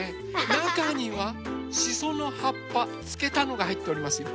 なかにはしそのはっぱつけたのがはいっておりますよ。